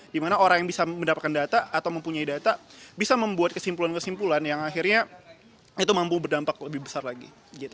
dimana orang yang bisa mendapatkan data atau mempunyai data bisa membuat kesimpulan kesimpulan yang akhirnya itu mampu berdampak lebih besar lagi